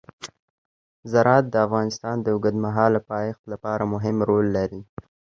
زراعت د افغانستان د اوږدمهاله پایښت لپاره مهم رول لري.